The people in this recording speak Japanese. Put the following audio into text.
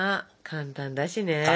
簡単だし。